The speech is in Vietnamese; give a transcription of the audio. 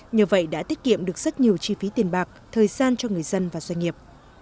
nhờ vậy đã tiết kiệm được rất nhiều chi phí tiền bạc thời gian cho người dân và doanh nghiệp